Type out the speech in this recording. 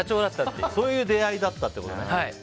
そういう出会いだったってことね。